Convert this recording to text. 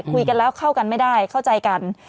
คุยกันแล้วเข้ากันไม่ได้เข้าใจกัน